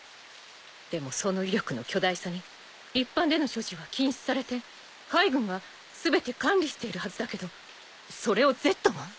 でもその威力の巨大さに一般での所持は禁止されて海軍が全て管理しているはずだけどそれをＺが？